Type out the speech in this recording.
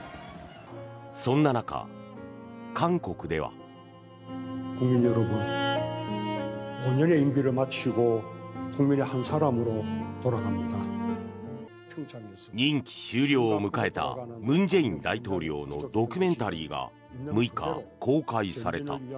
そんな中、韓国では。任期終了を迎えた文在寅大統領のドキュメンタリーが６日、公開された。